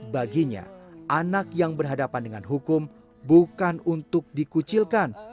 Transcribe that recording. baginya anak yang berhadapan dengan hukum bukan untuk dikucilkan